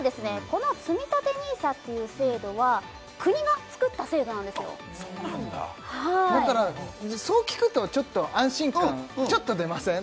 このつみたてＮＩＳＡっていう制度は国が作った制度なんですよそうなんだだからそう聞くとちょっと安心感ちょっと出ません？